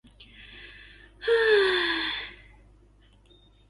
แล้วพ่นลมหายใจออกทางปากให้ยาวที่สุด